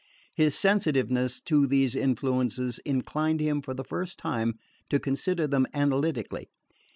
His sensitiveness to these influences inclined him for the first time to consider them analytically.